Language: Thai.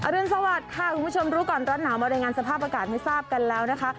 รุนสวัสดิ์ค่ะคุณผู้ชมรู้ก่อนร้อนหนาวมารายงานสภาพอากาศให้ทราบกันแล้วนะคะ